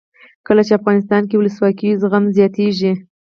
کله چې افغانستان کې ولسواکي وي زغم زیاتیږي.